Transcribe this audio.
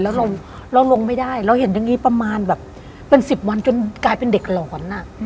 แล้วเราลงไม่ได้เราเห็นอย่างนี้ประมาณแบบเป็น๑๐วันจนกลายเป็นเด็กหลอน